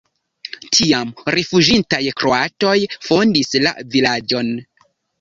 Tiam rifuĝintaj kroatoj fondis la vilaĝon.